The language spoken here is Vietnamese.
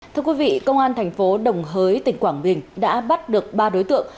thưa quý vị công an thành phố đồng hới tỉnh quảng bình đã bắt được ba đối tượng